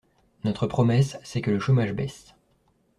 Notre promesse, c’est que le chômage baisse.